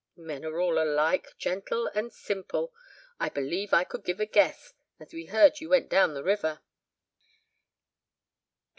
Men are all alike, gentle and simple. I believe I could give a guess, as we heard you went down the river."